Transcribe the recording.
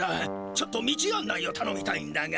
ちょっと道あんないをたのみたいんだが。